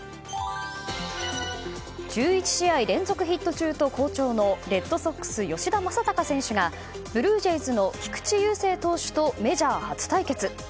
１１試合連続ヒット中と好調のレッドソックス吉田正尚選手がブルージェイズの菊池雄星投手とメジャー初対決。